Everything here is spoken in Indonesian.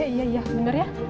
iya iya bener ya